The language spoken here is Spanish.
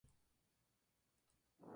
Es seguro consumirlo durante el embarazo.